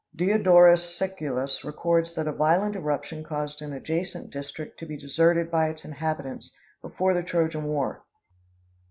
Diodorus Siculus records that a violent eruption caused an adjacent district to be deserted by its inhabitants before the Trojan war.